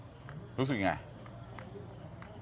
รู้สึกยังไง